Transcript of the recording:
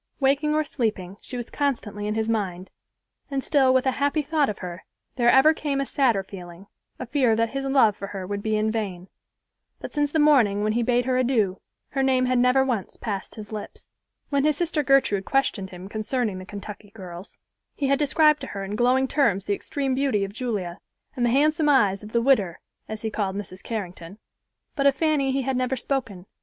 Waking or sleeping, she was constantly in his mind, and still with a happy thought of her there ever came a sadder feeling, a fear that his love for her would be in vain. But since the morning when he bade her adieu, her name had never once passed his lips. When his sister Gertrude questioned him concerning the Kentucky girls, he had described to her in glowing terms the extreme beauty of Julia, and the handsome eyes of "the widder," as he called Mrs. Carrington, but of Fanny he had never spoken.